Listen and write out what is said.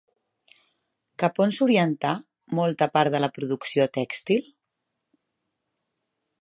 Cap on s'orientà molta part de la producció tèxtil?